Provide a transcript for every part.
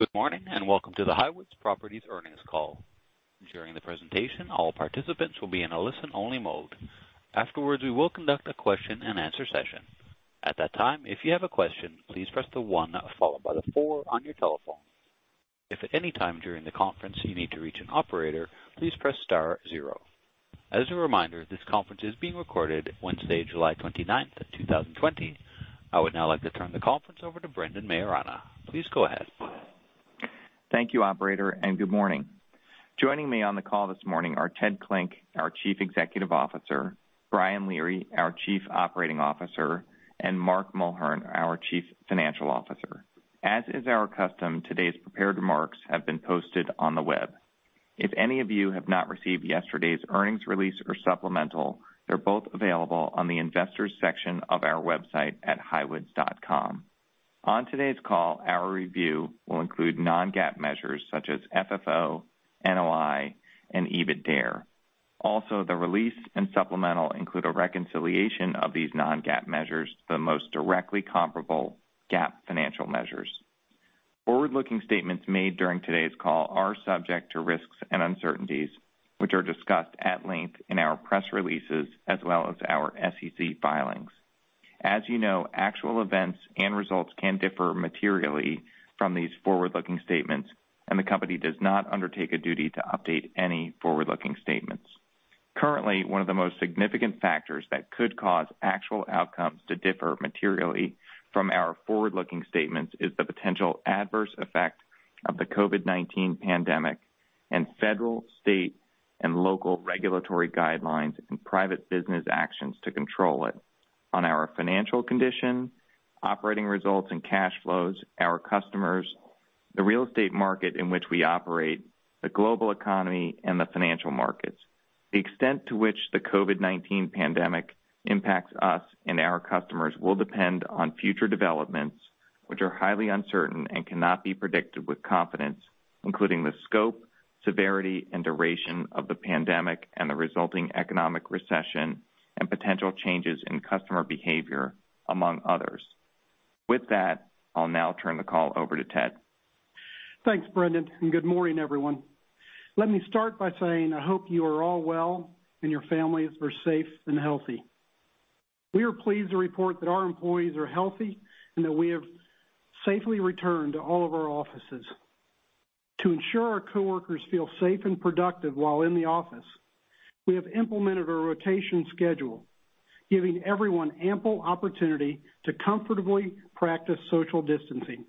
Good morning, welcome to the Highwoods Properties earnings call. During the presentation, all participants will be in a listen only mode. Afterwards, we will conduct a question and answer session. At that time, if you have a question, please press the one followed by the four on your telephone. If at any time during the conference you need to reach an operator, please press star zero. As a reminder, this conference is being recorded Wednesday, July 29th, 2020. I would now like to turn the conference over to Brendan Maiorana. Please go ahead. Thank you, Operator, good morning. Joining me on the call this morning are Ted Klinck, our Chief Executive Officer, Brian Leary, our Chief Operating Officer, and Mark Mulhern, our Chief Financial Officer. As is our custom, today's prepared remarks have been posted on the web. If any of you have not received yesterday's earnings release or supplemental, they're both available on the investors section of our website at highwoods.com. On today's call, our review will include non-GAAP measures such as FFO, NOI, and EBITDAre. The release and supplemental include a reconciliation of these non-GAAP measures to the most directly comparable GAAP financial measures. Forward-looking statements made during today's call are subject to risks and uncertainties, which are discussed at length in our press releases as well as our SEC filings. As you know, actual events and results can differ materially from these forward-looking statements, and the company does not undertake a duty to update any forward-looking statements. Currently, one of the most significant factors that could cause actual outcomes to differ materially from our forward-looking statements is the potential adverse effect of the COVID-19 pandemic and federal, state, and local regulatory guidelines and private business actions to control it on our financial condition, operating results and cash flows, our customers, the real estate market in which we operate, the global economy, and the financial markets. The extent to which the COVID-19 pandemic impacts us and our customers will depend on future developments, which are highly uncertain and cannot be predicted with confidence, including the scope, severity, and duration of the pandemic and the resulting economic recession and potential changes in customer behavior, among others. With that, I'll now turn the call over to Ted. Thanks, Brendan. Good morning, everyone. Let me start by saying I hope you are all well, and your families are safe and healthy. We are pleased to report that our employees are healthy and that we have safely returned to all of our offices. To ensure our coworkers feel safe and productive while in the office, we have implemented a rotation schedule giving everyone ample opportunity to comfortably practice social distancing.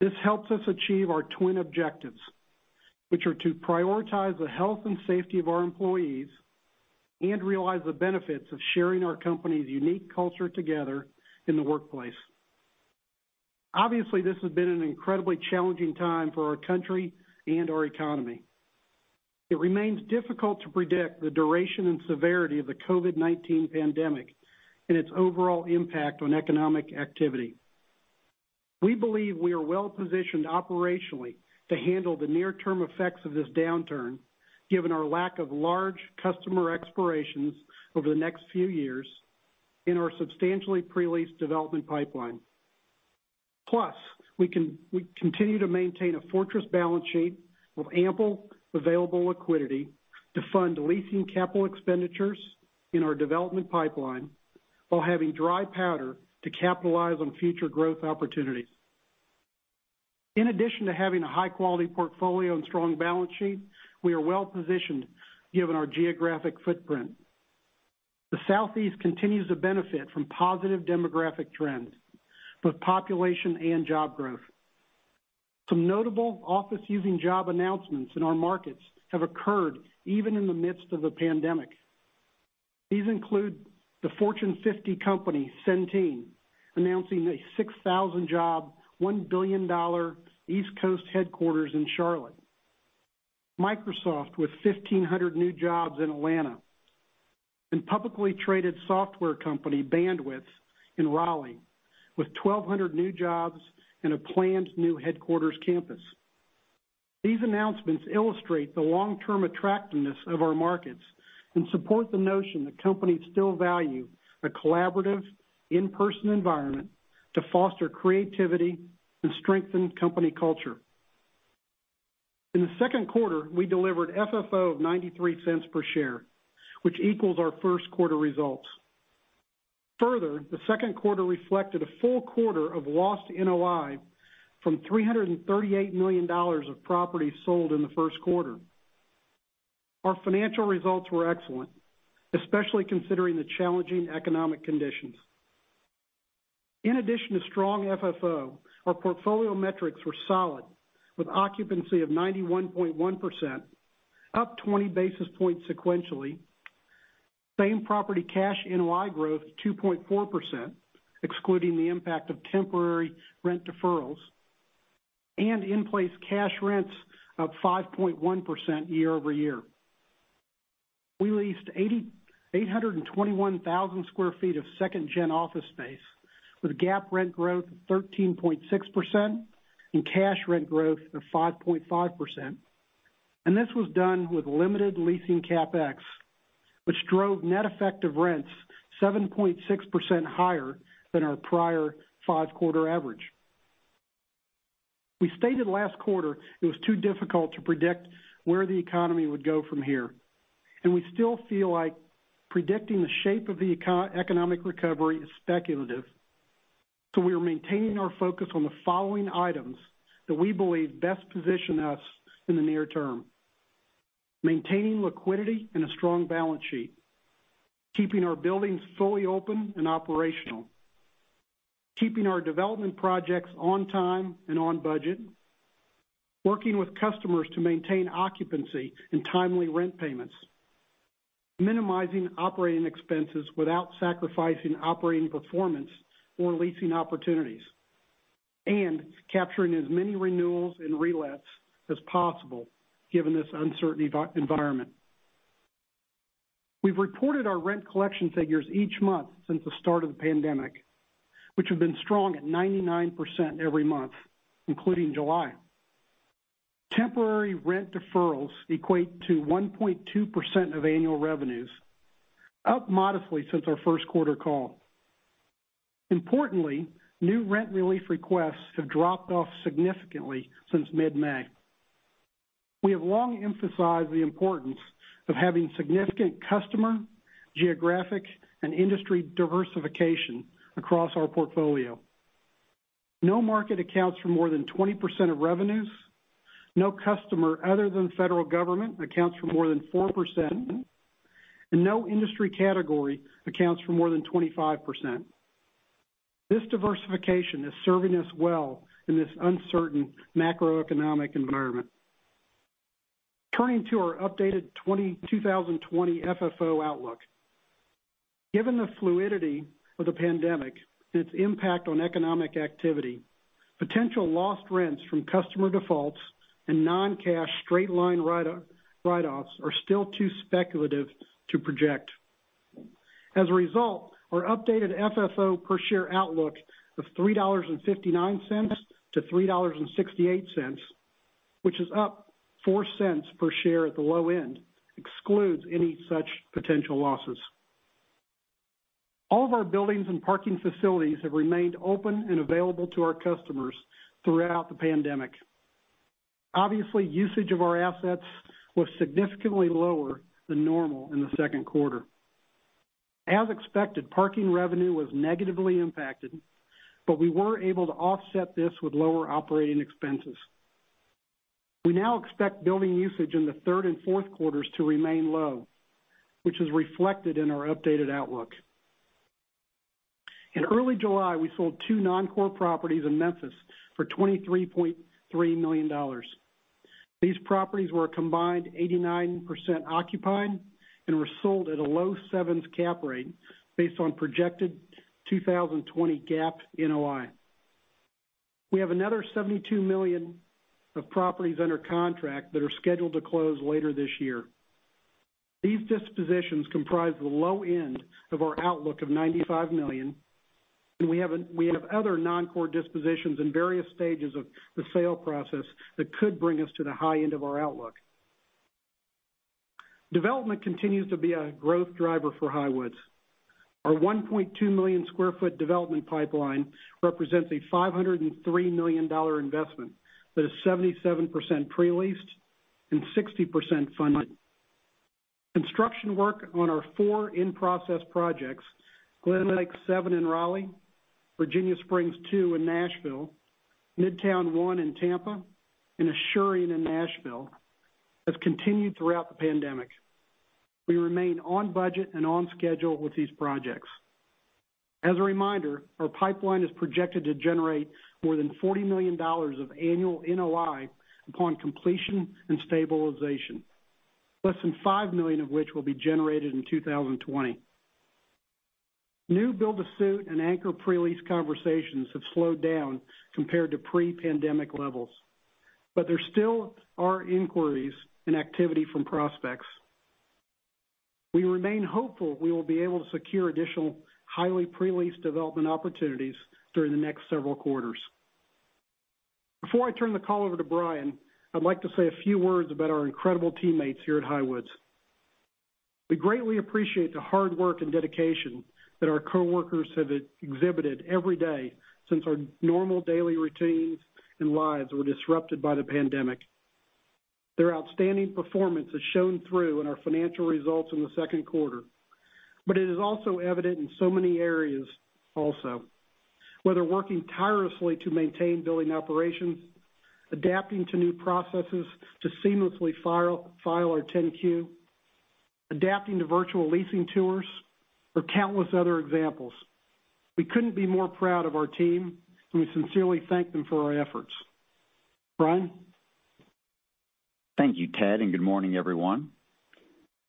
This helps us achieve our twin objectives, which are to prioritize the health and safety of our employees and realize the benefits of sharing our company's unique culture together in the workplace. Obviously, this has been an incredibly challenging time for our country and our economy. It remains difficult to predict the duration and severity of the COVID-19 pandemic and its overall impact on economic activity. We believe we are well positioned operationally to handle the near-term effects of this downturn given our lack of large customer expirations over the next few years in our substantially pre-leased development pipeline. We continue to maintain a fortress balance sheet with ample available liquidity to fund leasing capital expenditures in our development pipeline while having dry powder to capitalize on future growth opportunities. In addition to having a high-quality portfolio and strong balance sheet, we are well positioned given our geographic footprint. The Southeast continues to benefit from positive demographic trends with population and job growth. Some notable office using job announcements in our markets have occurred even in the midst of the pandemic. These include the Fortune 50 company, Centene, announcing a 6,000-job, $1 billion East Coast headquarters in Charlotte, and Microsoft with 1,500 new jobs in Atlanta. Publicly traded software company, Bandwidth, in Raleigh with 1,200 new jobs and a planned new headquarters campus. These announcements illustrate the long-term attractiveness of our markets and support the notion that companies still value a collaborative in-person environment to foster creativity and strengthen company culture. In the second quarter, we delivered FFO of $0.93 per share, which equals our first quarter results. Further, the second quarter reflected a full quarter of lost NOI from $338 million of property sold in the first quarter. Our financial results were excellent, especially considering the challenging economic conditions. In addition to strong FFO, our portfolio metrics were solid with occupancy of 91.1%, up 20 basis points sequentially. Same property cash NOI growth 2.4%, excluding the impact of temporary rent deferrals, and in-place cash rents up 5.1% year-over-year. We leased 821,000 sq ft of second gen office space with GAAP rent growth of 13.6% and cash rent growth of 5.5%. This was done with limited leasing CapEx, which drove net effective rents 7.6% higher than our prior five-quarter average. We stated last quarter it was too difficult to predict where the economy would go from here, and we still feel like predicting the shape of the economic recovery is speculative. We are maintaining our focus on the following items that we believe best position us in the near term. Maintaining liquidity and a strong balance sheet, keeping our buildings fully open and operational, keeping our development projects on time and on budget, working with customers to maintain occupancy and timely rent payments, minimizing operating expenses without sacrificing operating performance or leasing opportunities, and capturing as many renewals and relets as possible, given this uncertain environment. We've reported our rent collection figures each month since the start of the pandemic, which have been strong at 99% every month, including July. Temporary rent deferrals equate to 1.2% of annual revenues, up modestly since our first quarter call. Importantly, new rent relief requests have dropped off significantly since mid-May. We have long emphasized the importance of having significant customer, geographic, and industry diversification across our portfolio. No market accounts for more than 20% of revenues. No customer other than federal government accounts for more than 4%, and no industry category accounts for more than 25%. This diversification is serving us well in this uncertain macroeconomic environment. Turning to our updated 2020 FFO outlook. Given the fluidity of the pandemic and its impact on economic activity, potential lost rents from customer defaults and non-cash straight-line write-offs are still too speculative to project. As a result, our updated FFO per share outlook of $3.59-$3.68, which is up $0.04 per share at the low end, excludes any such potential losses. All of our buildings and parking facilities have remained open and available to our customers throughout the pandemic. Obviously, usage of our assets was significantly lower than normal in the second quarter. As expected, parking revenue was negatively impacted, we were able to offset this with lower operating expenses. We now expect building usage in the third and fourth quarters to remain low, which is reflected in our updated outlook. In early July, we sold two non-core properties in Memphis for $23.3 million. These properties were a combined 89% occupied and were sold at a low 7s cap rate based on projected 2020 GAAP NOI. We have another $72 million of properties under contract that are scheduled to close later this year. These dispositions comprise the low end of our outlook of $95 million, we have other non-core dispositions in various stages of the sale process that could bring us to the high end of our outlook. Development continues to be a growth driver for Highwoods. Our 1.2 million square foot development pipeline represents a $503 million investment that is 77% pre-leased and 60% funded. Construction work on our four in-process projects, GlenLake Seven in Raleigh, Virginia Springs II in Nashville, Midtown One in Tampa, and Asurion in Nashville, has continued throughout the pandemic. We remain on budget and on schedule with these projects. As a reminder, our pipeline is projected to generate more than $40 million of annual NOI upon completion and stabilization, less than $5 million of which will be generated in 2020. New build to suit and anchor pre-lease conversations have slowed down compared to pre-pandemic levels. There still are inquiries and activity from prospects. We remain hopeful we will be able to secure additional highly pre-leased development opportunities during the next several quarters. Before I turn the call over to Brian, I'd like to say a few words about our incredible teammates here at Highwoods. We greatly appreciate the hard work and dedication that our coworkers have exhibited every day since our normal daily routines and lives were disrupted by the pandemic. Their outstanding performance has shown through in our financial results in the second quarter. It is also evident in so many areas also. Whether working tirelessly to maintain building operations, adapting to new processes to seamlessly file our 10-Q, adapting to virtual leasing tours, or countless other examples. We couldn't be more proud of our team, and we sincerely thank them for their efforts. Brian? Thank you, Ted, and good morning, everyone.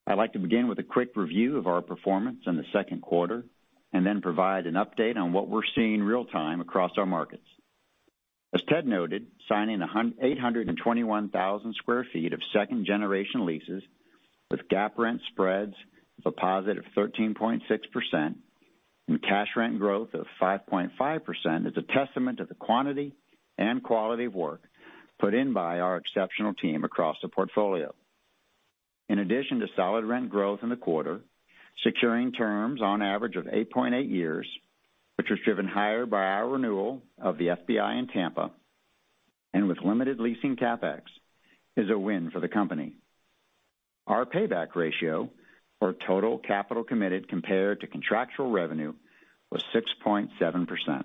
I'd like to begin with a quick review of our performance in the second quarter, and then provide an update on what we're seeing real-time across our markets. As Ted noted, signing 821,000 sq ft of second generation leases with GAAP rent spreads of a positive 13.6% and cash rent growth of 5.5% is a testament to the quantity and quality of work put in by our exceptional team across the portfolio. In addition to solid rent growth in the quarter, securing terms on average of 8.8 years, which was driven higher by our renewal of the FBI in Tampa, and with limited leasing CapEx, is a win for the company. Our payback ratio for total capital committed compared to contractual revenue was 6.7%,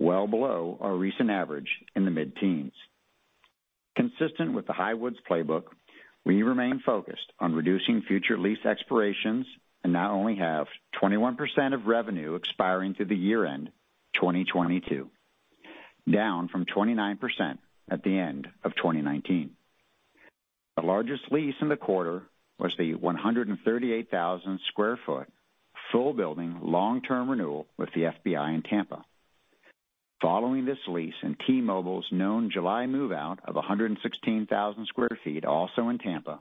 well below our recent average in the mid-teens. Consistent with the Highwoods playbook, we remain focused on reducing future lease expirations and now only have 21% of revenue expiring through the year-end 2022, down from 29% at the end of 2019. The largest lease in the quarter was the 138,000 sq ft, full building long-term renewal with the FBI in Tampa. Following this lease and T-Mobile's known July move-out of 116,000 sq ft also in Tampa,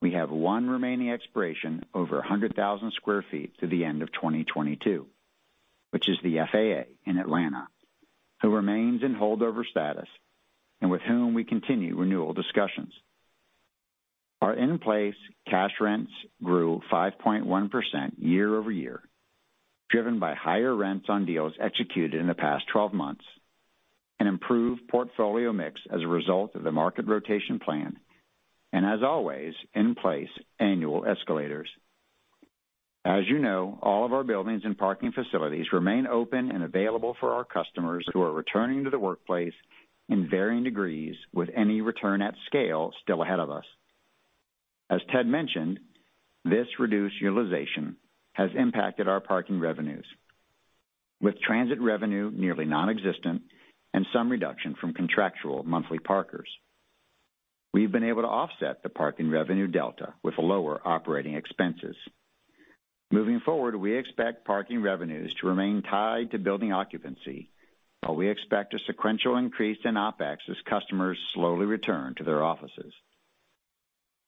we have one remaining expiration over 100,000 sq ft through the end of 2022, which is the FAA in Atlanta, who remains in holdover status and with whom we continue renewal discussions. Our in-place cash rents grew 5.1% year-over-year, driven by higher rents on deals executed in the past 12 months, and improved portfolio mix as a result of the market rotation plan, and as always, in place annual escalators. As you know, all of our buildings and parking facilities remain open and available for our customers who are returning to the workplace in varying degrees with any return at scale still ahead of us. As Ted mentioned, this reduced utilization has impacted our parking revenues, with transit revenue nearly non-existent and some reduction from contractual monthly parkers. We've been able to offset the parking revenue delta with lower operating expenses. Moving forward, we expect parking revenues to remain tied to building occupancy, while we expect a sequential increase in OpEx as customers slowly return to their offices.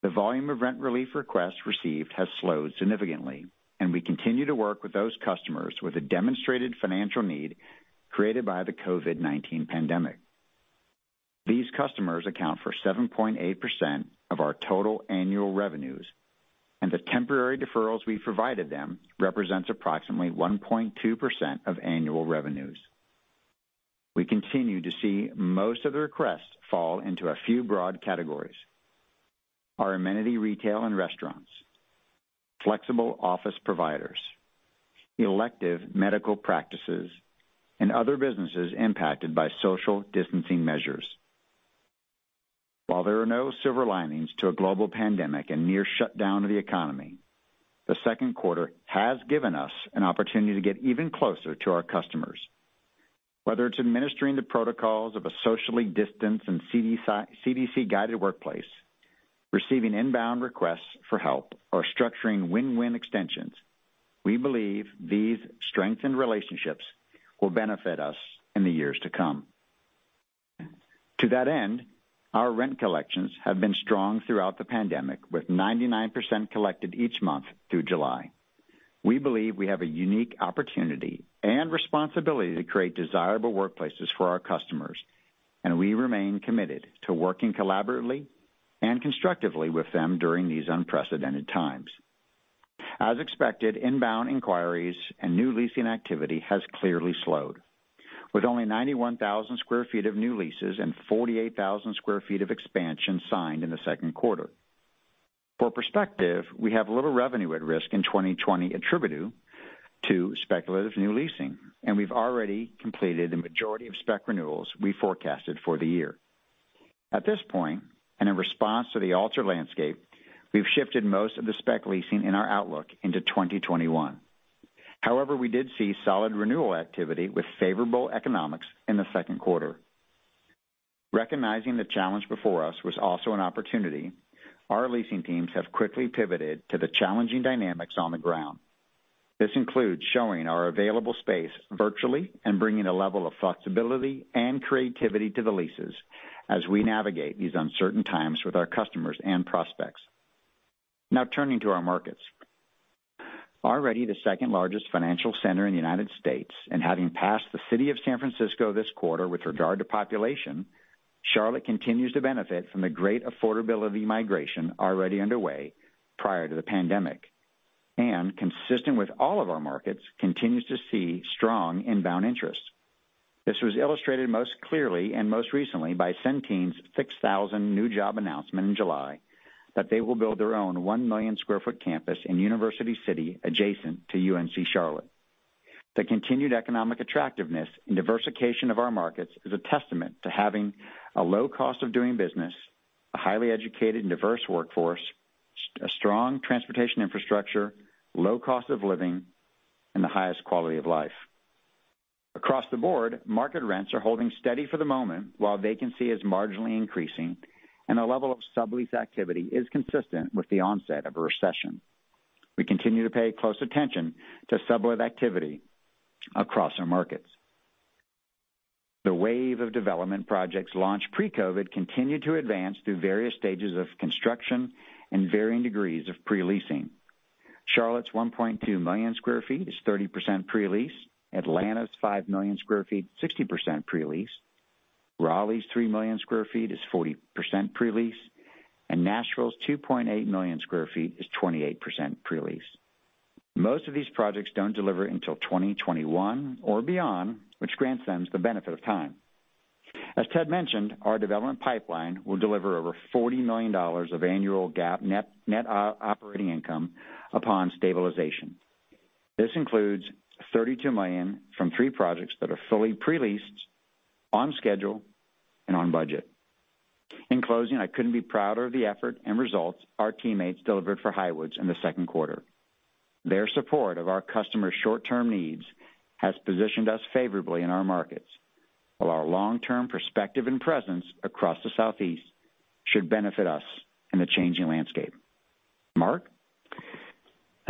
The volume of rent relief requests received has slowed significantly, and we continue to work with those customers with a demonstrated financial need created by the COVID-19 pandemic. These customers account for 7.8% of our total annual revenues, and the temporary deferrals we've provided them represents approximately 1.2% of annual revenues. We continue to see most of the requests fall into a few broad categories: our amenity retail and restaurants, flexible office providers, elective medical practices, and other businesses impacted by social distancing measures. While there are no silver linings to a global pandemic and near shutdown of the economy, the second quarter has given us an opportunity to get even closer to our customers. Whether it's administering the protocols of a socially distanced and CDC-guided workplace, receiving inbound requests for help, or structuring win-win extensions, we believe these strengthened relationships will benefit us in the years to come. To that end, our rent collections have been strong throughout the pandemic, with 99% collected each month through July. We believe we have a unique opportunity and responsibility to create desirable workplaces for our customers, and we remain committed to working collaboratively and constructively with them during these unprecedented times. As expected, inbound inquiries and new leasing activity has clearly slowed with only 91,000 sq ft of new leases and 48,000 sq ft of expansion signed in the second quarter. For perspective, we have little revenue at risk in 2020 attributable to speculative new leasing, and we've already completed the majority of spec renewals we forecasted for the year. At this point, and in response to the altered landscape, we've shifted most of the spec leasing in our outlook into 2021. However, we did see solid renewal activity with favorable economics in the second quarter. Recognizing the challenge before us was also an opportunity, our leasing teams have quickly pivoted to the challenging dynamics on the ground. This includes showing our available space virtually and bringing a level of flexibility and creativity to the leases as we navigate these uncertain times with our customers and prospects. Turning to our markets. Already the second-largest financial center in the U.S. and having passed the city of San Francisco this quarter with regard to population, Charlotte continues to benefit from the great affordability migration already underway prior to the pandemic. Consistent with all of our markets, continues to see strong inbound interest. This was illustrated most clearly and most recently by Centene's 6,000 new job announcement in July that they will build their own 1 million square foot campus in University City adjacent to UNC Charlotte. The continued economic attractiveness and diversification of our markets is a testament to having a low cost of doing business, a highly educated and diverse workforce, a strong transportation infrastructure, low cost of living, and the highest quality of life. Across the board, market rents are holding steady for the moment while vacancy is marginally increasing, and the level of sublease activity is consistent with the onset of a recession. We continue to pay close attention to sublet activity across our markets. The wave of development projects launched pre-COVID continue to advance through various stages of construction and varying degrees of pre-leasing. Charlotte's 1.2 million square feet is 30% pre-leased. Atlanta's 5 million square feet, 60% pre-leased. Raleigh's 3 million square feet is 40% pre-leased. Nashville's 2.8 million square feet is 28% pre-leased. Most of these projects don't deliver until 2021 or beyond, which grants them the benefit of time. As Ted mentioned, our development pipeline will deliver over $40 million of annual GAAP net operating income upon stabilization. This includes $32 million from three projects that are fully pre-leased, on schedule, and on budget. In closing, I couldn't be prouder of the effort and results our teammates delivered for Highwoods in the second quarter. Their support of our customers' short-term needs has positioned us favorably in our markets, while our long-term perspective and presence across the Southeast should benefit us in the changing landscape. Mark?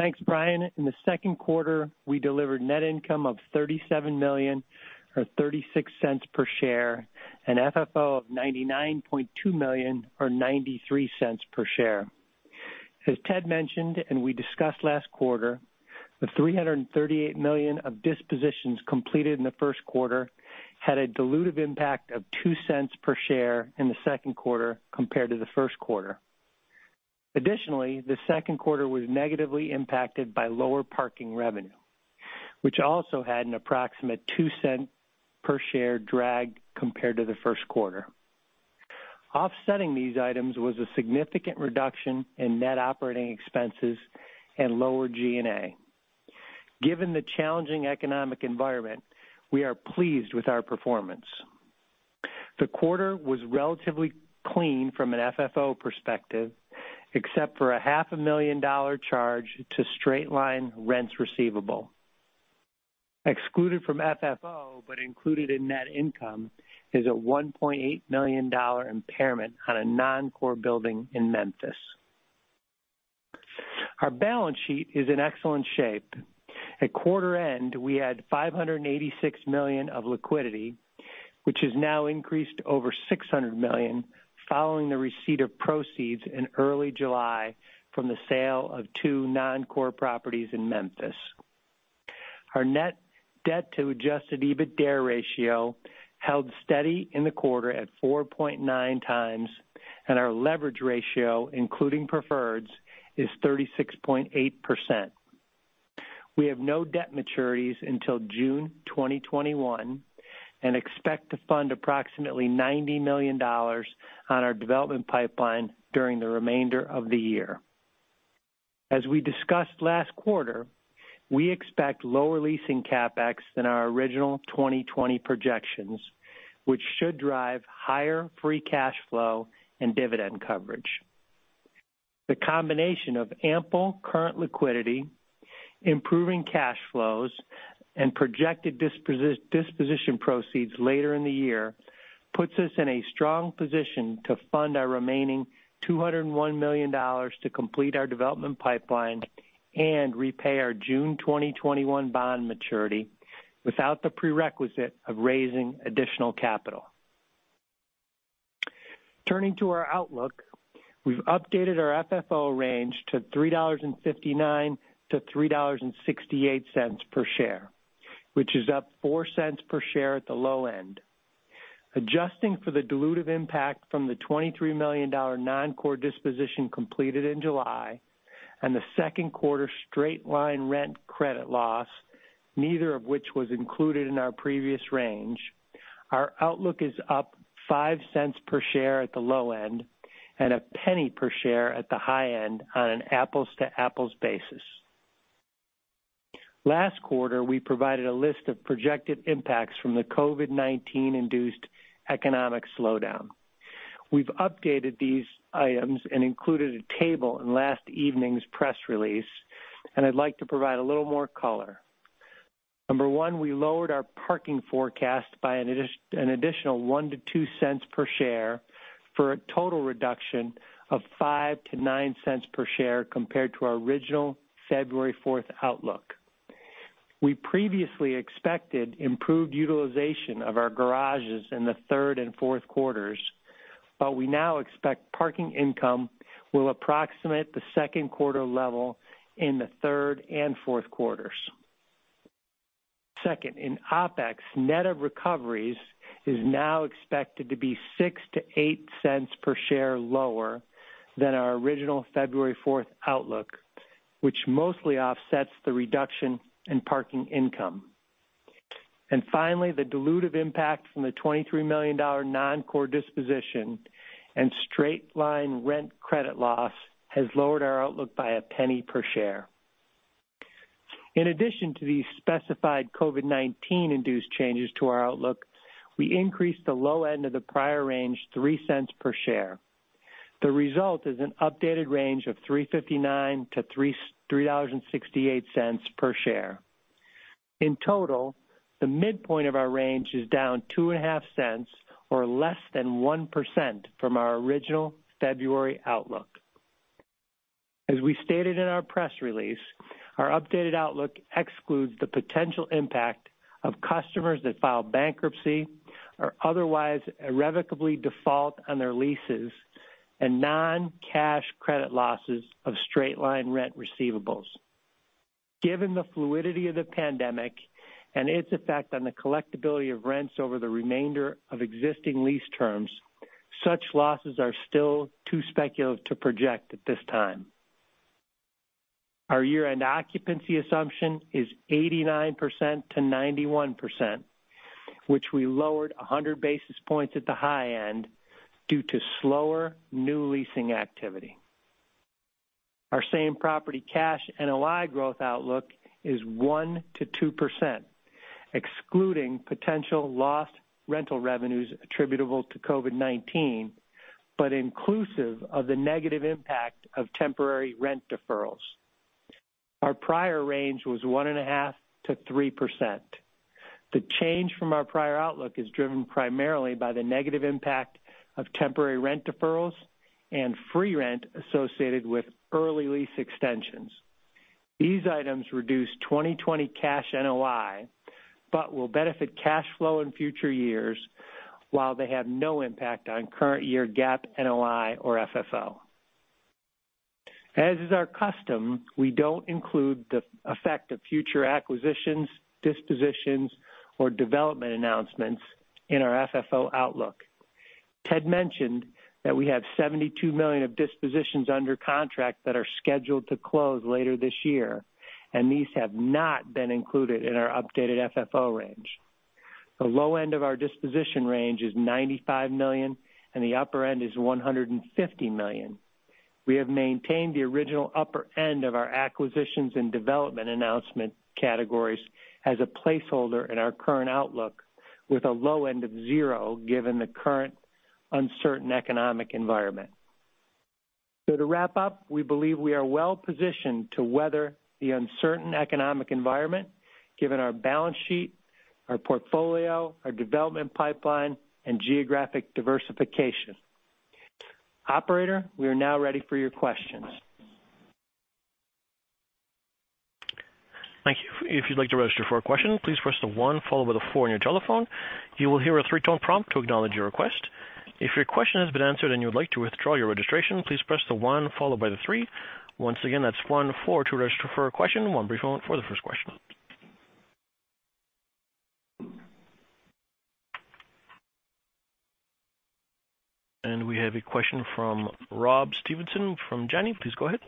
Thanks, Brian. In the second quarter, we delivered net income of $37 million, or $0.36 per share, an FFO of $99.2 million or $0.93 per share. As Ted mentioned, we discussed last quarter, the $338 million of dispositions completed in the first quarter had a dilutive impact of $0.02 per share in the second quarter compared to the first quarter. Additionally, the second quarter was negatively impacted by lower parking revenue, which also had an approximate $0.02 per share drag compared to the first quarter. Offsetting these items was a significant reduction in net operating expenses and lower G&A. Given the challenging economic environment, we are pleased with our performance. The quarter was relatively clean from an FFO perspective, except for a $500,000 charge to straight-line rents receivable. Excluded from FFO, but included in net income, is a $1.8 million impairment on a non-core building in Memphis. Our balance sheet is in excellent shape. At quarter end, we had $586 million of liquidity, which has now increased to over $600 million, following the receipt of proceeds in early July from the sale of two non-core properties in Memphis. Our net debt to adjusted EBITDA ratio held steady in the quarter at 4.9x, and our leverage ratio, including preferreds, is 36.8%. We have no debt maturities until June 2021 and expect to fund approximately $90 million on our development pipeline during the remainder of the year. As we discussed last quarter, we expect lower leasing CapEx than our original 2020 projections, which should drive higher free cash flow and dividend coverage. The combination of ample current liquidity, improving cash flows, and projected disposition proceeds later in the year puts us in a strong position to fund our remaining $201 million to complete our development pipeline and repay our June 2021 bond maturity without the prerequisite of raising additional capital. Turning to our outlook, we've updated our FFO range to $3.59-$3.68 per share, which is up $0.04 per share at the low end. Adjusting for the dilutive impact from the $23 million non-core disposition completed in July and the second quarter straight-line rent credit loss, neither of which was included in our previous range, our outlook is up $0.05 per share at the low end and $0.01 per share at the high end on an apples-to-apples basis. Last quarter, we provided a list of projected impacts from the COVID-19-induced economic slowdown. I'd like to provide a little more color. Number one, we lowered our parking forecast by an additional $0.01-$0.02 per share, for a total reduction of $0.05-$0.09 per share compared to our original February 4th outlook. We previously expected improved utilization of our garages in the third and fourth quarters. We now expect parking income will approximate the second quarter level in the third and fourth quarters. Second, in OpEx, net of recoveries is now expected to be $0.06-$0.08 per share lower than our original February 4th outlook, which mostly offsets the reduction in parking income. Finally, the dilutive impact from the $23 million non-core disposition and straight-line rent credit loss has lowered our outlook by $0.01 per share. In addition to these specified COVID-19-induced changes to our outlook, we increased the low end of the prior range $0.03 per share. The result is an updated range of $3.59-$3.68 per share. In total, the midpoint of our range is down $0.025 or less than 1% from our original February outlook. As we stated in our press release, our updated outlook excludes the potential impact of customers that file bankruptcy or otherwise irrevocably default on their leases and non-cash credit losses of straight-line rent receivables. Given the fluidity of the pandemic and its effect on the collectibility of rents over the remainder of existing lease terms, such losses are still too speculative to project at this time. Our year-end occupancy assumption is 89%-91%, which we lowered 100 basis points at the high end due to slower new leasing activity. Our same property cash NOI growth outlook is 1%-2%, excluding potential lost rental revenues attributable to COVID-19, but inclusive of the negative impact of temporary rent deferrals. Our prior range was 1.5%-3%. The change from our prior outlook is driven primarily by the negative impact of temporary rent deferrals and free rent associated with early lease extensions. These items reduce 2020 cash NOI but will benefit cash flow in future years, while they have no impact on current year GAAP, NOI, or FFO. As is our custom, we don't include the effect of future acquisitions, dispositions, or development announcements in our FFO outlook. Ted mentioned that we have $72 million of dispositions under contract that are scheduled to close later this year, and these have not been included in our updated FFO range. The low end of our disposition range is $95 million, and the upper end is $150 million. We have maintained the original upper end of our acquisitions and development announcement categories as a placeholder in our current outlook with a low end of zero, given the current uncertain economic environment. To wrap up, we believe we are well positioned to weather the uncertain economic environment given our balance sheet, our portfolio, our development pipeline, and geographic diversification. Operator, we are now ready for your questions. Thank you. If you'd like to register for a question, please press the one followed by the four on your telephone. You will hear a three-tone prompt to acknowledge your request. If your question has been answered and you would like to withdraw your registration, please press the one followed by the three. Once again, that's one-four to register for a question. One brief moment for the first question. We have a question from Rob Stevenson from Janney. Please go ahead.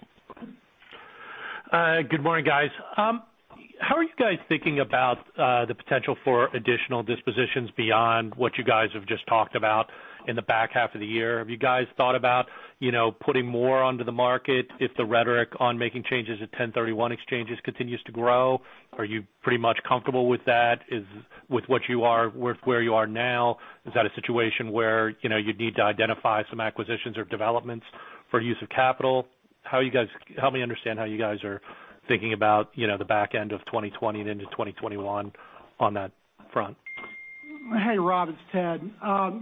Good morning, guys. How are you guys thinking about the potential for additional dispositions beyond what you guys have just talked about in the back half of the year? Have you guys thought about putting more onto the market if the rhetoric on making changes at 1031 exchanges continues to grow? Are you pretty much comfortable with that? With where you are now, is that a situation where you'd need to identify some acquisitions or developments for use of capital? Help me understand how you guys are thinking about the back end of 2020 and into 2021 on that front. Hey, Rob, it's Ted. As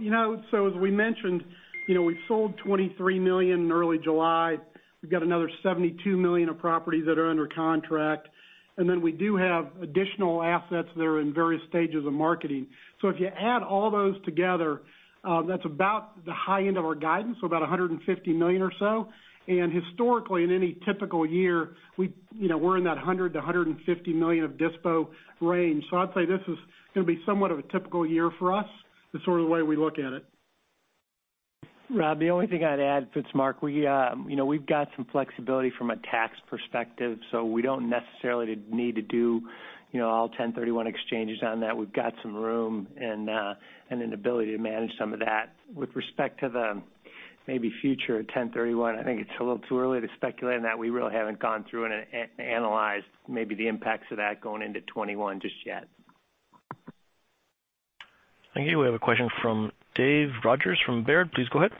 we mentioned, we sold $23 million in early July. We've got another $72 million of properties that are under contract, and then we do have additional assets that are in various stages of marketing. If you add all those together, that's about the high end of our guidance, so about $150 million or so. Historically, in any typical year, we're in that $100 million-$150 million of dispo range. I'd say this is going to be somewhat of a typical year for us, is sort of the way we look at it. Rob, the only thing I'd add, it's Mark. We've got some flexibility from a tax perspective, so we don't necessarily need to do all 1031 exchanges on that. We've got some room and an ability to manage some of that. With respect to the maybe future 1031, I think it's a little too early to speculate on that. We really haven't gone through and analyzed maybe the impacts of that going into 2021 just yet. Thank you. We have a question from Dave Rodgers from Baird. Please go ahead.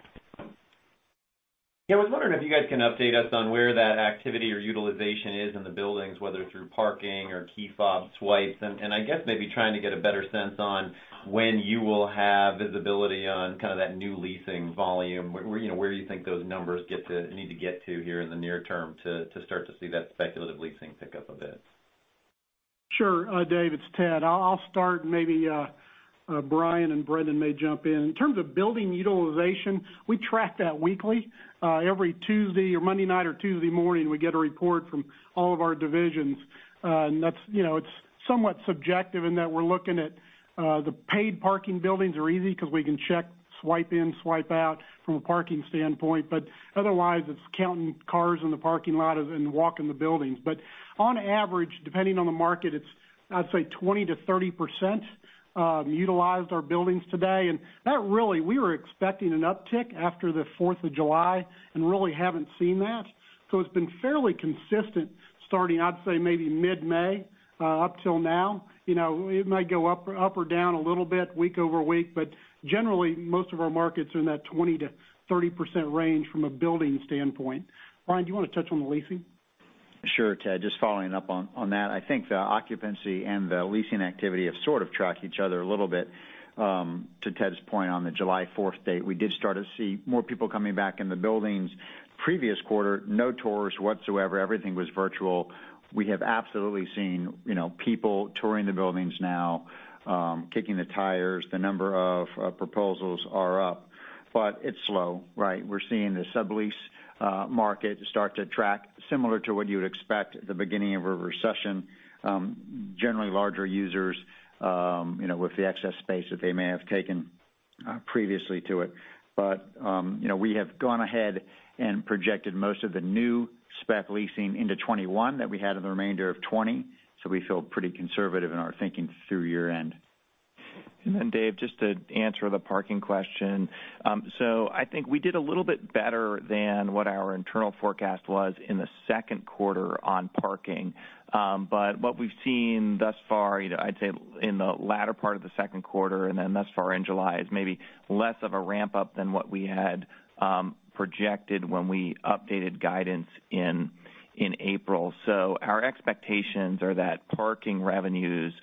Yeah, I was wondering if you guys can update us on where that activity or utilization is in the buildings, whether through parking or key fob swipes. I guess maybe trying to get a better sense on when you will have visibility on kind of that new leasing volume. Where do you think those numbers need to get to here in the near term to start to see that speculative leasing pick up a bit? Sure, Dave, it's Ted. I'll start, maybe Brian and Brendan may jump in. In terms of building utilization, we track that weekly. Every Tuesday or Monday night or Tuesday morning, we get a report from all of our divisions. It's somewhat subjective in that we're looking at the paid parking buildings are easy because we can check swipe in, swipe out from a parking standpoint, but otherwise it's counting cars in the parking lot and walk in the buildings. On average, depending on the market, it's I'd say 20%-30% utilized our buildings today. That really, we were expecting an uptick after the 4th of July and really haven't seen that. It's been fairly consistent starting, I'd say maybe mid-May up till now. It might go up or down a little bit week-over-week, but generally most of our markets are in that 20%-30% range from a building standpoint. Brian, do you want to touch on the leasing? Sure, Ted. Just following up on that. I think the occupancy and the leasing activity have sort of tracked each other a little bit. To Ted's point on the July 4th date, we did start to see more people coming back in the buildings. Previous quarter, no tours whatsoever. Everything was virtual. We have absolutely seen people touring the buildings now, kicking the tires. The number of proposals are up. It's slow, right. We're seeing the sublease market start to track similar to what you would expect at the beginning of a recession. Generally larger users with the excess space that they may have taken previously to it. We have gone ahead and projected most of the new spec leasing into 2021 that we had in the remainder of 2020. We feel pretty conservative in our thinking through year-end. Dave, just to answer the parking question. I think we did a little bit better than what our internal forecast was in the second quarter on parking. What we've seen thus far, I'd say in the latter part of the second quarter and thus far in July, is maybe less of a ramp-up than what we had projected when we updated guidance in April. Our expectations are that parking revenues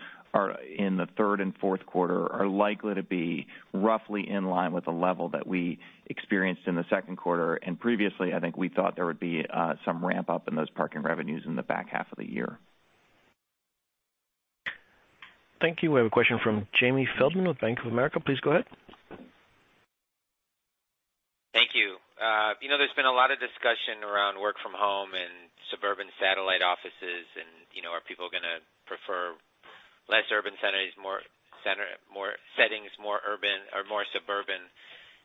in the third and fourth quarter are likely to be roughly in line with the level that we experienced in the second quarter. Previously, I think we thought there would be some ramp-up in those parking revenues in the back half of the year. Thank you. We have a question from Jamie Feldman with Bank of America. Please go ahead. Thank you. There's been a lot of discussion around work from home and suburban satellite offices and are people going to prefer less urban settings, more suburban.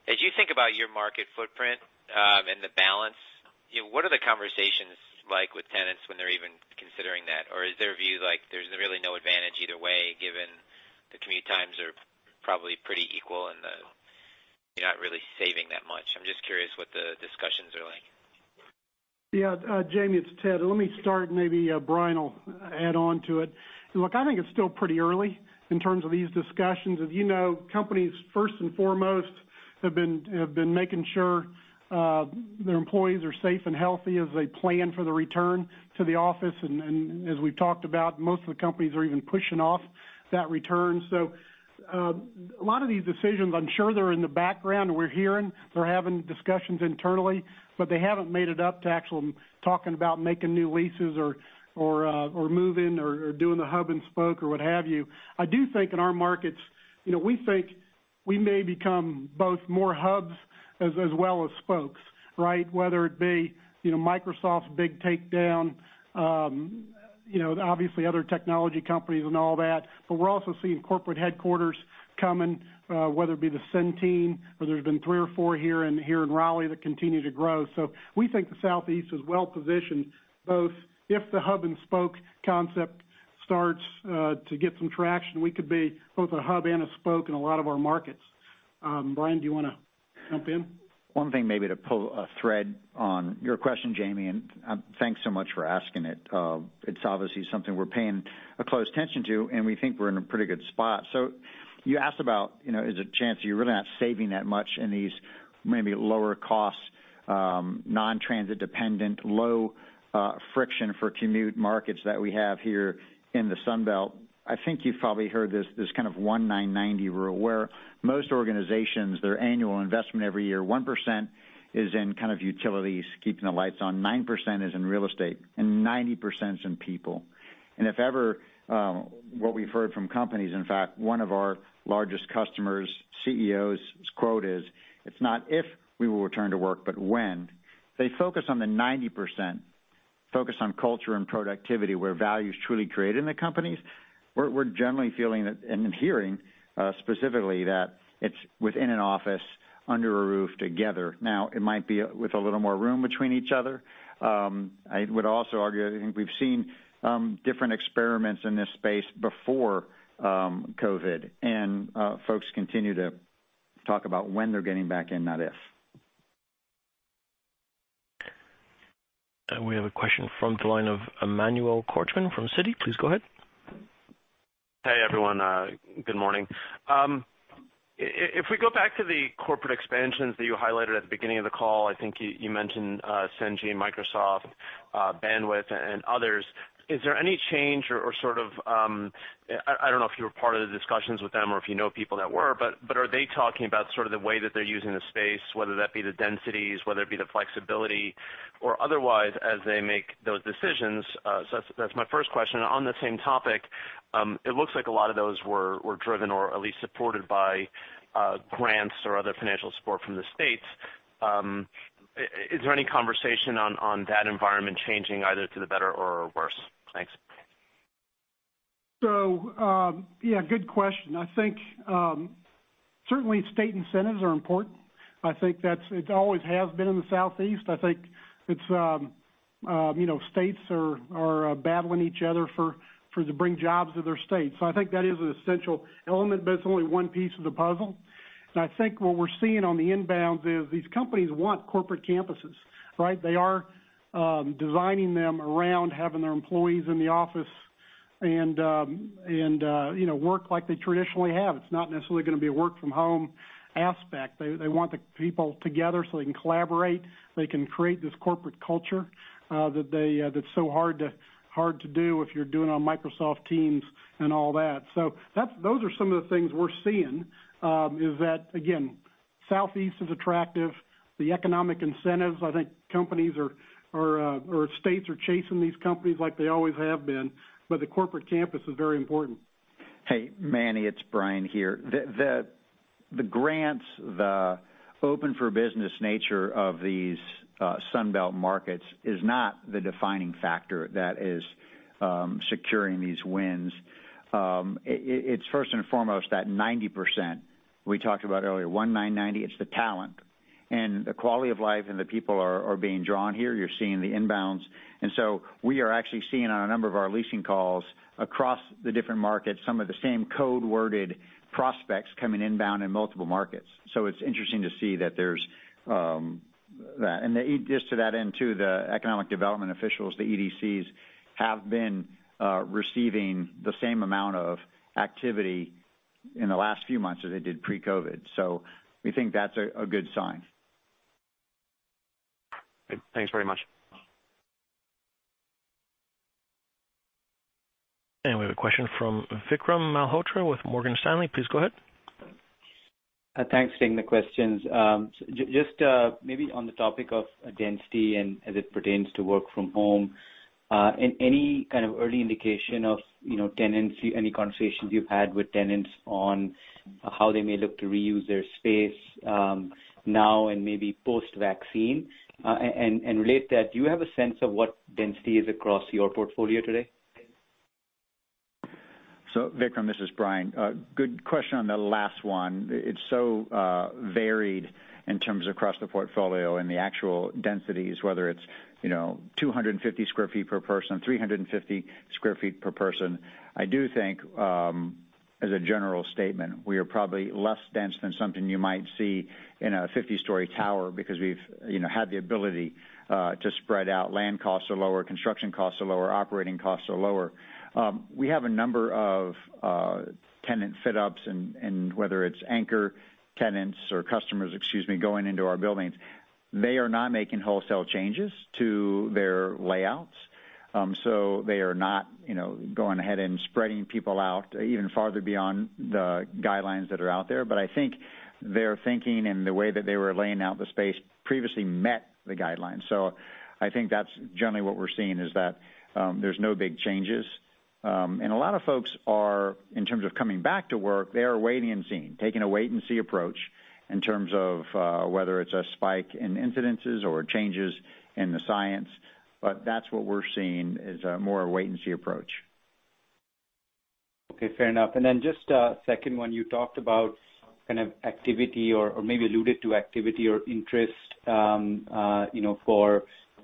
As you think about your market footprint and the balance, what are the conversations like with tenants when they're even considering that? Is their view like there's really no advantage either way, given the commute times are probably pretty equal and you're not really saving that much? I'm just curious what the discussions are like. Yeah. Jamie, it's Ted. Let me start, maybe Brian will add on to it. Look, I think it's still pretty early in terms of these discussions. As you know, companies first and foremost, have been making sure their employees are safe and healthy as they plan for the return to the office. As we've talked about, most of the companies are even pushing off that return. A lot of these decisions, I'm sure they're in the background. We're hearing they're having discussions internally, but they haven't made it up to actual talking about making new leases or moving or doing the hub and spoke or what have you. I do think in our markets, we think we may become both more hubs as well as spokes. Right? Whether it be Microsoft's big takedown, obviously other technology companies and all that. We're also seeing corporate headquarters coming, whether it be the Centene, where there's been three or four here in Raleigh that continue to grow. We think the Southeast is well-positioned, both if the hub and spoke concept starts to get some traction, we could be both a hub and a spoke in a lot of our markets. Brian, do you want to jump in? One thing maybe to pull a thread on your question, Jamie, thanks so much for asking it. It's obviously something we're paying close attention to, we think we're in a pretty good spot. You asked about, is it chance that you're really not saving that much in these maybe lower costs, non-transit dependent, low friction for commute markets that we have here in the Sun Belt. I think you've probably heard this kind of 1-9-90 rule, where most organizations, their annual investment every year, 1% is in kind of utilities, keeping the lights on, 9% is in real estate, and 90% is in people. If ever, what we've heard from companies, in fact, one of our largest customers' CEO's quote is, "It's not if we will return to work, but when." They focus on the 90%, focus on culture and productivity, where value is truly created in the companies. We're generally feeling and hearing specifically that it's within an office, under a roof together. It might be with a little more room between each other. I would also argue, I think we've seen different experiments in this space before COVID, and folks continue to talk about when they're getting back in, not if. We have a question from the line of Emmanuel Korchman from Citi. Please go ahead. Hey, everyone. Good morning. If we go back to the corporate expansions that you highlighted at the beginning of the call, I think you mentioned Centene, Microsoft, Bandwidth, and others. Is there any change or sort of I don't know if you were part of the discussions with them or if you know people that were, but are they talking about sort of the way that they're using the space, whether that be the densities, whether it be the flexibility or otherwise as they make those decisions? That's my first question. On the same topic, it looks like a lot of those were driven or at least supported by grants or other financial support from the states. Is there any conversation on that environment changing either to the better or worse? Thanks. Yeah, good question. I think certainly state incentives are important. I think that it always has been in the Southeast. I think states are battling each other to bring jobs to their states. I think that is an essential element, but it's only one piece of the puzzle. I think what we're seeing on the inbounds is these companies want corporate campuses, right? They are designing them around having their employees in the office and work like they traditionally have. It's not necessarily going to be a work from home aspect. They want the people together so they can collaborate, they can create this corporate culture that's so hard to do if you're doing it on Microsoft Teams and all that. Those are some of the things we're seeing, is that, again, Southeast is attractive. The economic incentives, I think states are chasing these companies like they always have been, but the corporate campus is very important. Hey, Manny, it's Brian here. The grants, the open for business nature of these Sun Belt markets is not the defining factor that is securing these wins. It's first and foremost that 90% we talked about earlier, 1-9-90. It's the talent and the quality of life, and the people are being drawn here. You're seeing the inbounds. We are actually seeing on a number of our leasing calls across the different markets, some of the same code worded prospects coming inbound in multiple markets. It's interesting to see that there's that. Just to that end, too, the economic development officials, the EDCs, have been receiving the same amount of activity in the last few months as they did pre-COVID. We think that's a good sign. Thanks very much. We have a question from Vikram Malhotra with Morgan Stanley. Please go ahead. Thanks for taking the questions. Just maybe on the topic of density and as it pertains to work from home. In any kind of early indication of tenants, any conversations you've had with tenants on how they may look to reuse their space now and maybe post-vaccine? Relate that, do you have a sense of what density is across your portfolio today? Vikram, this is Brian. Good question on the last one. It's so varied in terms of across the portfolio and the actual densities, whether it's 250 sq ft per person, 350 sq ft per person. I do think, as a general statement, we are probably less dense than something you might see in a 50-story tower because we've had the ability to spread out. Land costs are lower, construction costs are lower, operating costs are lower. We have a number of tenant fit outs, and whether it's anchor tenants or customers, excuse me, going into our buildings. They are not making wholesale changes to their layouts. They are not going ahead and spreading people out even farther beyond the guidelines that are out there. I think their thinking and the way that they were laying out the space previously met the guidelines. I think that's generally what we're seeing, is that there's no big changes. A lot of folks are, in terms of coming back to work, they are waiting and seeing, taking a wait and see approach in terms of whether it's a spike in incidences or changes in the science. That's what we're seeing, is more a wait and see approach. Okay. Fair enough. Just a second one. You talked about kind of activity or maybe alluded to activity or interest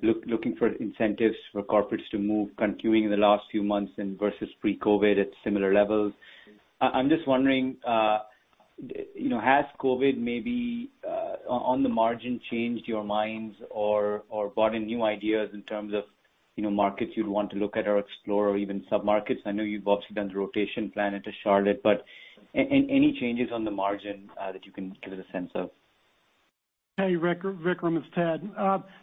looking for incentives for corporates to move continuing in the last few months and versus pre-COVID at similar levels. I'm just wondering, has COVID maybe on the margin changed your minds or brought in new ideas in terms of markets you'd want to look at or explore or even sub-markets? I know you've obviously done the rotation plan into Charlotte. Any changes on the margin that you can give us a sense of? Hey, Vikram, it's Ted.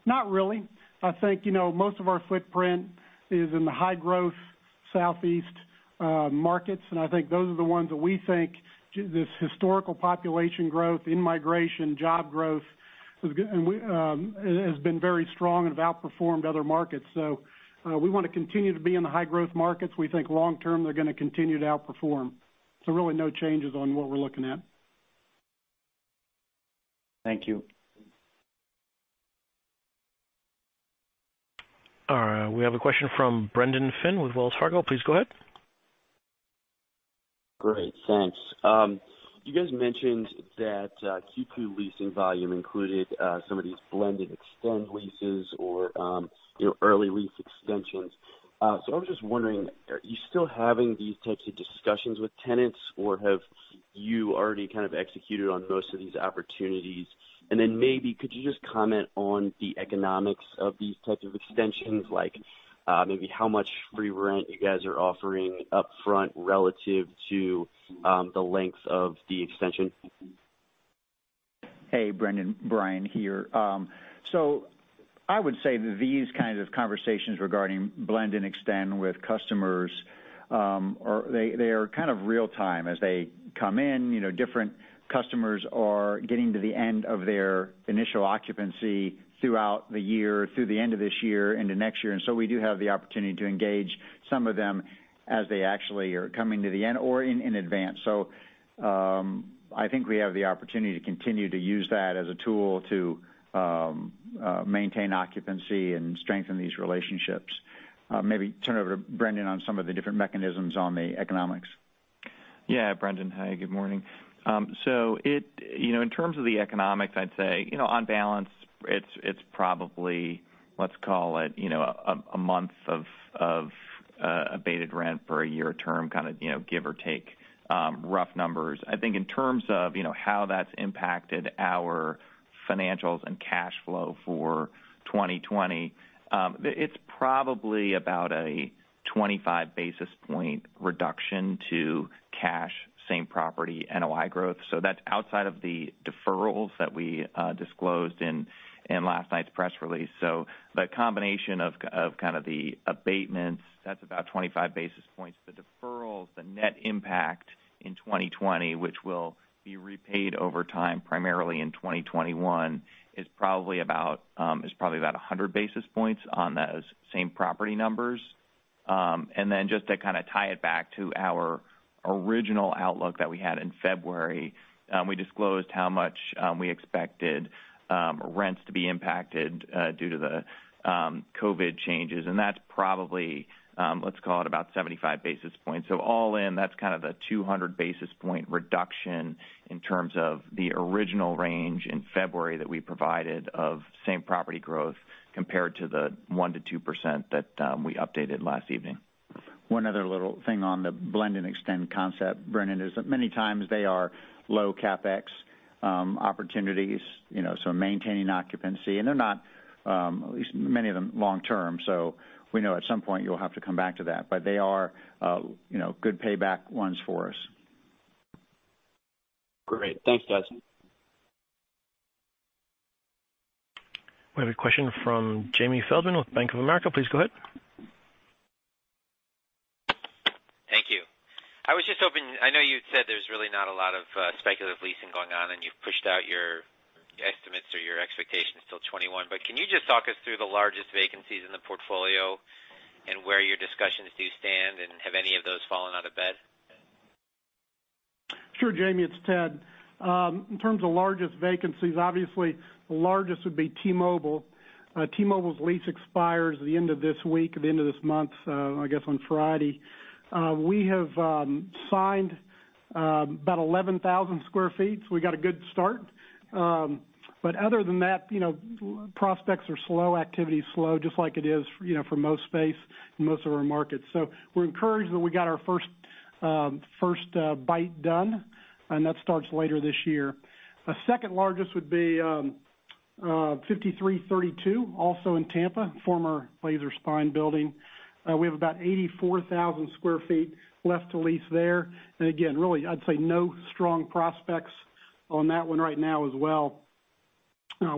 Not really. I think most of our footprint is in the high growth southeast markets, and I think those are the ones that we think this historical population growth in migration, job growth has been very strong and have outperformed other markets. We want to continue to be in the high growth markets. We think long term they're going to continue to outperform. Really no changes on what we're looking at. Thank you. All right. We have a question from Brendan Finn with Wells Fargo. Please go ahead. Great. Thanks. You guys mentioned that Q2 leasing volume included some of these blend and extend leases or early lease extensions. I was just wondering, are you still having these types of discussions with tenants or have you already kind of executed on most of these opportunities? Maybe could you just comment on the economics of these types of extensions, like maybe how much free rent you guys are offering upfront relative to the length of the extension? Hey, Brendan. Brian here. I would say that these kind of conversations regarding blend and extend with customers, they are kind of real time as they come in. Different customers are getting to the end of their initial occupancy throughout the year, through the end of this year into next year. We do have the opportunity to engage some of them as they actually are coming to the end or in advance. I think we have the opportunity to continue to use that as a tool to maintain occupancy and strengthen these relationships. Maybe turn it over to Brendan on some of the different mechanisms on the economics. Yeah, Brendan. Hi, good morning. In terms of the economics, I'd say, on balance, it's probably, let's call it, a month of abated rent for a year term, give or take rough numbers. I think in terms of how that's impacted our financials and cash flow for 2020, it's probably about a 25 basis point reduction to cash, same-property NOI growth. That's outside of the deferrals that we disclosed in last night's press release. The combination of the abatements, that's about 25 basis points. The deferrals, the net impact in 2020, which will be repaid over time, primarily in 2021, is probably about 100 basis points on those same property numbers. Just to kind of tie it back to our original outlook that we had in February, we disclosed how much we expected rents to be impacted due to the COVID changes. That's probably, let's call it about 75 basis points. All in, that's kind of a 200-basis point reduction in terms of the original range in February that we provided of same property growth compared to the 1%-2% that we updated last evening. One other little thing on the blend-and-extend concept, Brendan, is that many times they are low CapEx opportunities. Maintaining occupancy, and they're not, at least many of them, long-term. We know at some point you'll have to come back to that, but they are good payback ones for us. Great. Thanks, guys. We have a question from Jamie Feldman with Bank of America. Please go ahead. Thank you. I was just hoping, I know you'd said there's really not a lot of speculative leasing going on, and you've pushed out your estimates or your expectations till 2021. Can you just talk us through the largest vacancies in the portfolio and where your discussions do stand, and have any of those fallen out of bed? Sure, Jamie, it's Ted. In terms of largest vacancies, obviously the largest would be T-Mobile. T-Mobile's lease expires at the end of this week, at the end of this month, I guess on Friday. We have signed about 11,000 sq ft, so we got a good start. Other than that, prospects are slow, activity is slow, just like it is for most space in most of our markets. We're encouraged that we got our first bite done, and that starts later this year. A second largest would be 5332, also in Tampa, former Laser Spine building. We have about 84,000 sq ft left to lease there. Again, really, I'd say no strong prospects on that one right now as well.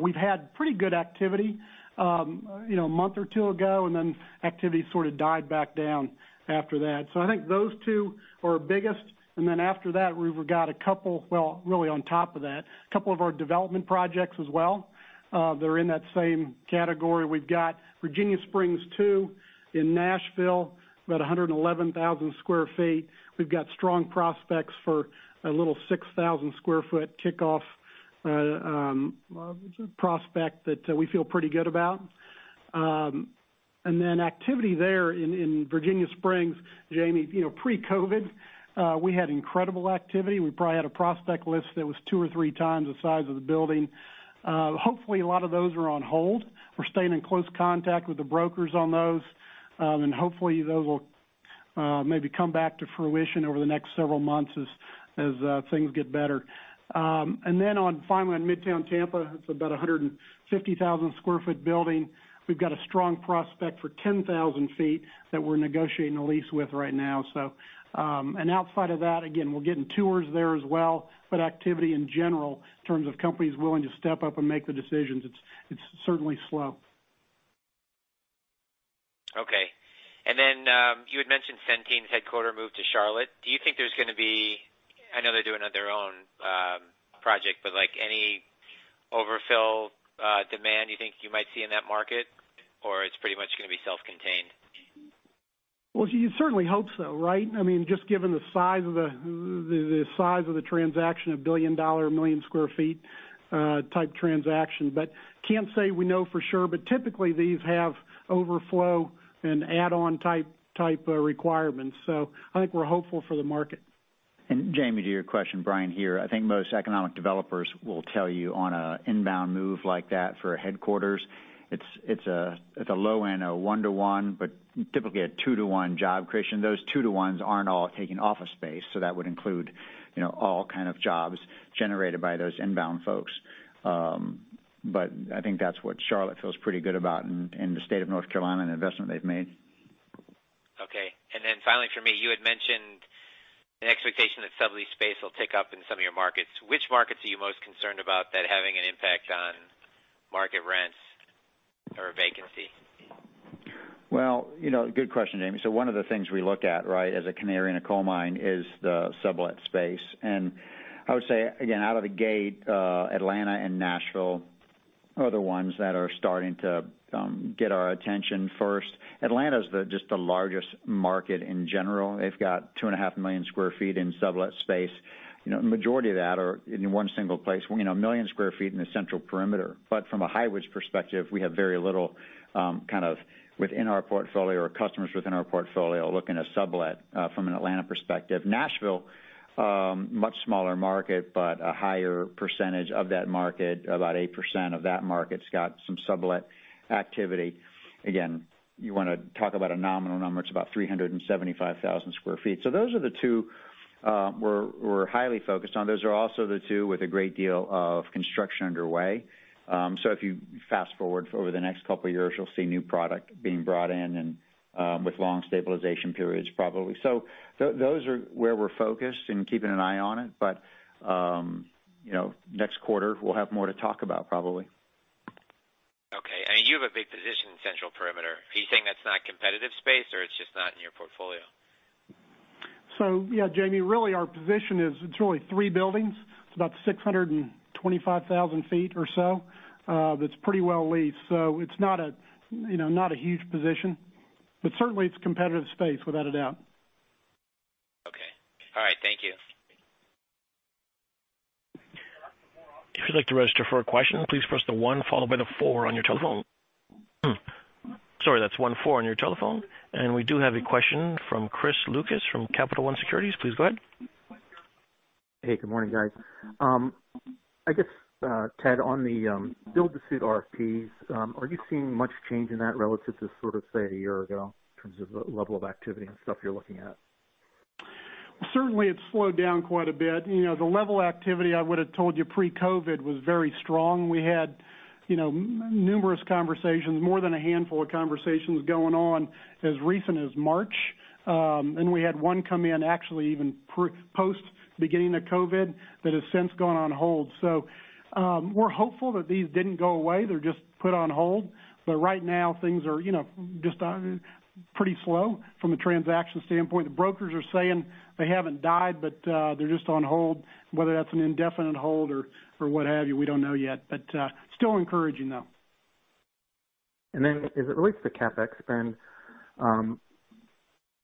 We've had pretty good activity a month or two ago, and then activity sort of died back down after that. I think those two are our biggest. After that, we've got a couple of our development projects as well that are in that same category. We've got Virginia Springs II in Nashville, about 111,000 sq ft. We've got strong prospects for a little 6,000 sq ft kickoff prospect that we feel pretty good about. Activity there in Virginia Springs, Jamie, pre-COVID, we had incredible activity. We probably had a prospect list that was two or three times the size of the building. Hopefully, a lot of those are on hold. We're staying in close contact with the brokers on those. Hopefully, those will maybe come back to fruition over the next several months as things get better. Finally, on Midtown Tampa, it's about a 150,000 sq ft building. We've got a strong prospect for 10,000 ft that we're negotiating a lease with right now. Outside of that, again, we're getting tours there as well, but activity in general, in terms of companies willing to step up and make the decisions, it's certainly slow. Okay. You had mentioned Centene's headquarters move to Charlotte. Do you think there's going to be, I know they're doing their own project, but any overfill demand you think you might see in that market, or it's pretty much going to be self-contained? Well, you certainly hope so, right? I mean, just given the size of the transaction, a billion-dollar, a million-square feet type transaction. Can't say we know for sure. Typically, these have overflow and add-on type requirements. I think we're hopeful for the market. Jamie, to your question, Brian here, I think most economic developers will tell you on an inbound move like that for a headquarters, it's a low end of one-to-one, but typically a two-to-one job creation. Those two-to-ones aren't all taking office space, so that would include all kind of jobs generated by those inbound folks. I think that's what Charlotte feels pretty good about and the state of North Carolina and the investment they've made. Okay. Finally from me, you had mentioned an expectation that sublease space will pick up in some of your markets. Which markets are you most concerned about that having an impact on market rents or vacancy? Well, good question, Jamie. One of the things we look at as a canary in a coal mine is the sublet space. I would say, again, out of the gate, Atlanta and Nashville are the ones that are starting to get our attention first. Atlanta's just the largest market in general. They've got 2.5 million square feet in sublet space. The majority of that are in one single place, 1 million square feet in the central perimeter. From a Highwoods perspective, we have very little kind of within our portfolio or customers within our portfolio looking to sublet from an Atlanta perspective. Nashville, much smaller market, but a higher percentage of that market, about 8% of that market's got some sublet activity. Again, you want to talk about a nominal number, it's about 375,000 sq ft. Those are the two we're highly focused on. Those are also the two with a great deal of construction underway. If you fast-forward over the next couple of years, you'll see new product being brought in and with long stabilization periods, probably. Those are where we're focused and keeping an eye on it. Next quarter, we'll have more to talk about, probably. Okay. You have a big position in Central Perimeter. Are you saying that's not competitive space or it's just not in your portfolio? Yeah, Jamie, really our position is, it's really three buildings. It's about 625,000 sq ft or so. That's pretty well leased. It's not a huge position, but certainly it's competitive space, without a doubt. Okay. All right. Thank you. If you'd like to register for a question, please press the one followed by the four on your telephone. Sorry, that's one four on your telephone. We do have a question from Chris Lucas from Capital One Securities. Please go ahead. Hey, good morning, guys. I guess, Ted, on the build-to-suit RFPs, are you seeing much change in that relative to sort of, say, a year ago in terms of the level of activity and stuff you're looking at? Well, certainly it's slowed down quite a bit. The level of activity I would've told you pre-COVID-19 was very strong. We had numerous conversations, more than a handful of conversations going on as recent as March. We had one come in actually even post beginning of COVID-19 that has since gone on hold. We're hopeful that these didn't go away. They're just put on hold. Right now, things are just pretty slow from a transaction standpoint. The brokers are saying they haven't died, but they're just on hold. Whether that's an indefinite hold or what have you, we don't know yet. Still encouraging, though. As it relates to CapEx spend,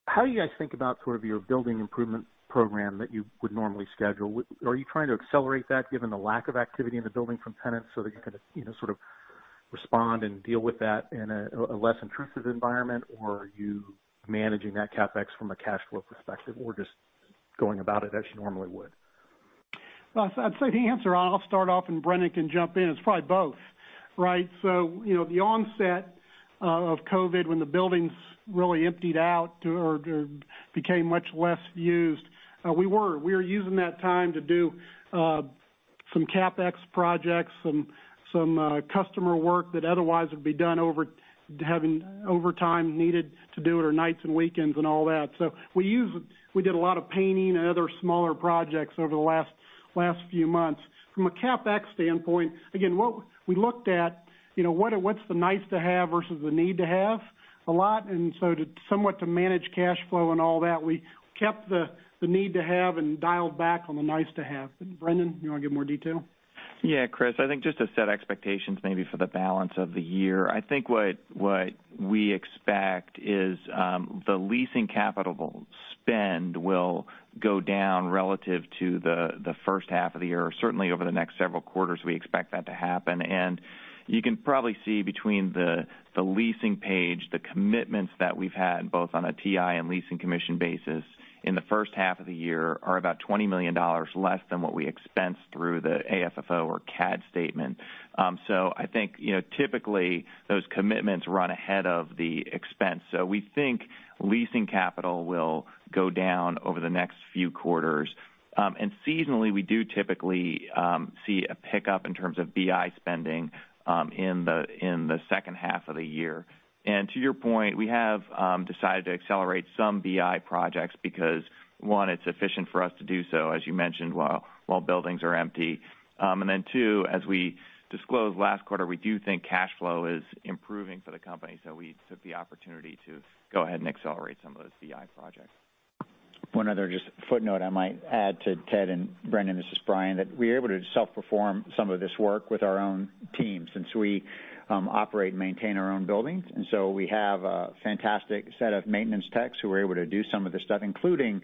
how do you guys think about sort of your building improvement program that you would normally schedule? Are you trying to accelerate that given the lack of activity in the building from tenants so that you can sort of respond and deal with that in a less intrusive environment? Or are you managing that CapEx from a cash flow perspective or just going about it as you normally would? Well, I'd say the answer, I'll start off and Brendan can jump in. It's probably both, right? The onset of COVID, when the buildings really emptied out or became much less used, We were using that time to do some CapEx projects, some customer work that otherwise would be done over time, needed to do it on nights and weekends and all that. We did a lot of painting and other smaller projects over the last few months. From a CapEx standpoint, again, we looked at what's the nice to have versus the need to have a lot, somewhat to manage cash flow and all that. We kept the need to have and dialed back on the nice to have. Brendan, you want to give more detail? Yeah, Chris, I think just to set expectations maybe for the balance of the year. I think what we expect is the leasing capital spend will go down relative to the first half of the year. Certainly over the next several quarters, we expect that to happen. You can probably see between the leasing page, the commitments that we've had both on a TI and leasing commission basis in the first half of the year are about $20 million less than what we expensed through the AFFO or CAD statement. I think, typically, those commitments run ahead of the expense. We think leasing capital will go down over the next few quarters. Seasonally, we do typically see a pickup in terms of BI spending in the second half of the year. To your point, we have decided to accelerate some BI projects because, one, it's efficient for us to do so, as you mentioned, while buildings are empty. Two, as we disclosed last quarter, we do think cash flow is improving for the company, so we took the opportunity to go ahead and accelerate some of those BI projects. One other just footnote I might add to Ted and Brendan, this is Brian, that we're able to self-perform some of this work with our own team since we operate and maintain our own buildings. We have a fantastic set of maintenance techs who are able to do some of this stuff, including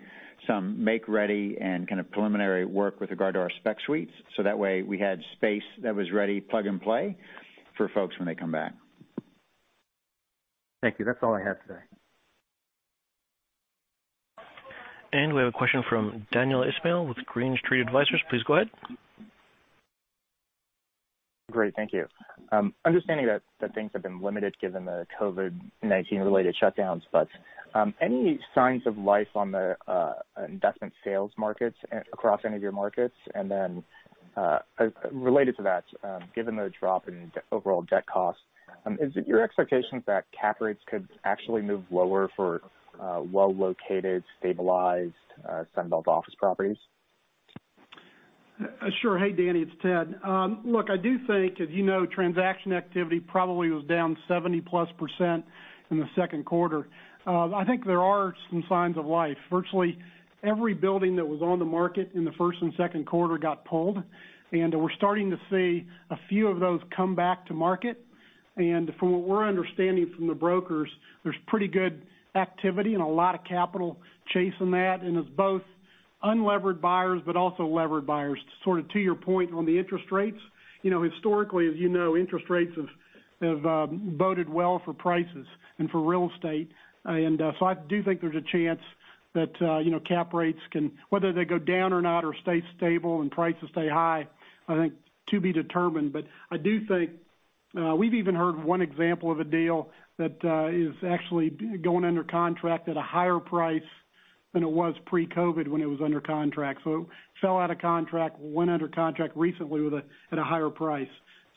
some make-ready and kind of preliminary work with regard to our spec suites. That way, we had space that was ready plug and play for folks when they come back. Thank you. That's all I had today. We have a question from Daniel Ismail with Green Street Advisors. Please go ahead. Great. Thank you. Understanding that things have been limited given the COVID-19 related shutdowns, but any signs of life on the investment sales markets across any of your markets? Related to that, given the drop in overall debt costs, is it your expectation that cap rates could actually move lower for well-located, stabilized Sun Belt office properties? Sure. Hey, Daniel, it's Ted. Look, I do think as you know, transaction activity probably was down 70+% in the second quarter. I think there are some signs of life. Virtually every building that was on the market in the first and second quarter got pulled, and we're starting to see a few of those come back to market. From what we're understanding from the brokers, there's pretty good activity and a lot of capital chasing that. It's both unlevered buyers, but also levered buyers. To your point on the interest rates, historically, as you know, interest rates have boded well for prices and for real estate. I do think there's a chance that cap rates can, whether they go down or not or stay stable and prices stay high, I think to be determined. I do think we've even heard one example of a deal that is actually going under contract at a higher price than it was pre-COVID when it was under contract. It fell out of contract, went under contract recently at a higher price.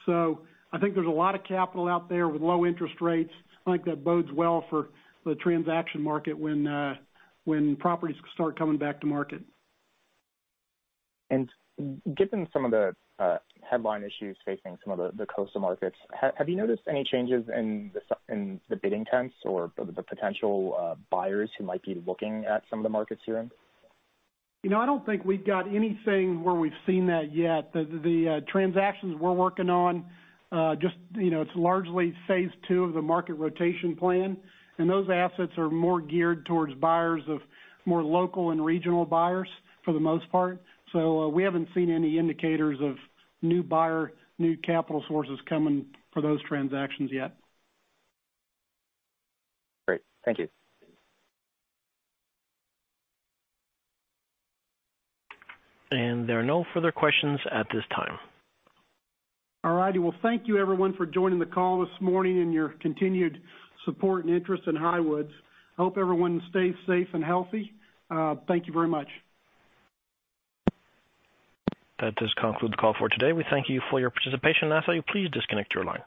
I think there's a lot of capital out there with low interest rates. I think that bodes well for the transaction market when properties start coming back to market. Given some of the headline issues facing some of the coastal markets, have you noticed any changes in the bidding trends or the potential buyers who might be looking at some of the markets you're in? I don't think we've got anything where we've seen that yet. The transactions we're working on, it's largely phase two of the market rotation plan, and those assets are more geared towards buyers of more local and regional buyers for the most part. We haven't seen any indicators of new buyer, new capital sources coming for those transactions yet. Great. Thank you. There are no further questions at this time. All right. Well, thank you everyone for joining the call this morning and your continued support and interest in Highwoods. Hope everyone stays safe and healthy. Thank you very much. That does conclude the call for today. We thank you for your participation. I ask that you please disconnect your line.